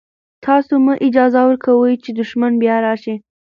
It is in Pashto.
تاسو مه اجازه ورکوئ چې دښمن بیا راشي.